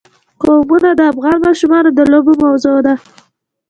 قومونه د افغان ماشومانو د لوبو موضوع ده.